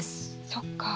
そっか。